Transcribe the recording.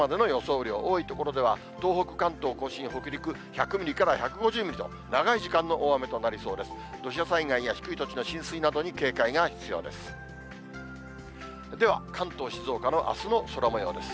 雨量、多い所では、東北、関東甲信、北陸、１００ミリから１５０ミリと、長い時間の大雨となりそうです。